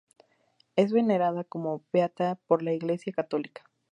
Es venerada como beata por la Iglesia católica.